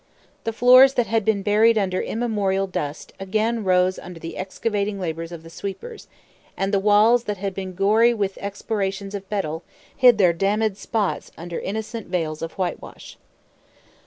The floors, that had been buried under immemorial dust, arose again under the excavating labors of the sweepers; and the walls, that had been gory with expectorations of betel, hid their "damnéd spots" under innocent veils of whitewash.